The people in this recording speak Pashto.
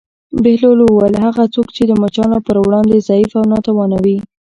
بهلول وویل: هغه څوک چې د مچانو پر وړاندې ضعیف او ناتوانه وي.